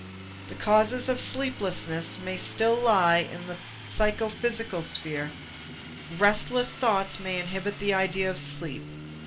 The causes of sleeplessness may still lie in the psychophysical sphere; restless thoughts may inhibit the idea of sleep.